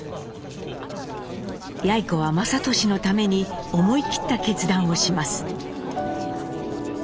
やい子は雅俊のために思い切った決断をします。